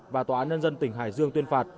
và tòa án nhân dân tỉnh hải dương tuyên phạt